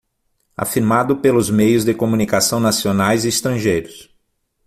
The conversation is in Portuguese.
Afirmado pelos meios de comunicação nacionais e estrangeiros